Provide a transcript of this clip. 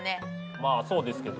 まあそうですけど。